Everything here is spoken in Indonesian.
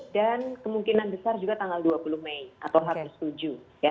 dan kemungkinan besar juga tanggal dua puluh mei atau hari setuju